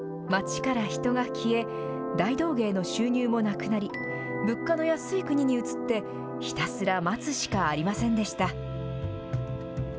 街から人が消え、大道芸の収入もなくなり、物価の安い国に移って、ひたすら待つしかありませんでした。